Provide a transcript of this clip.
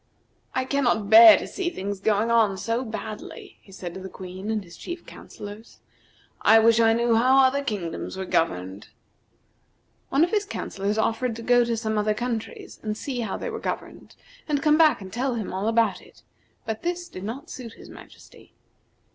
"I cannot bear to see things going on so badly," he said to the Queen and his chief councillors. "I wish I knew how other kingdoms were governed." One of his councillors offered to go to some other countries, and see how they were governed, and come back and tell him all about it, but this did not suit his majesty.